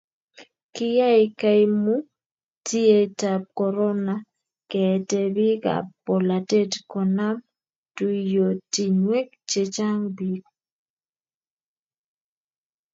kiyai kaimutietab korona keete biikab bolatet konam tuyiotinwek che chang' biik